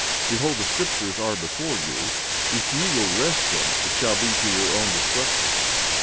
Behold, the scriptures are before you; if ye will wrest them it shall be to your own destruction.